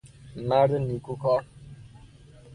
مرد نیکوکار